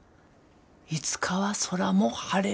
いつかは空も晴れる。